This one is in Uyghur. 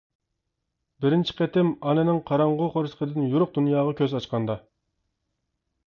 بىرىنچى قېتىم، ئانىنىڭ قاراڭغۇ قورسىقىدىن يورۇق دۇنياغا كۆز ئاچقاندا.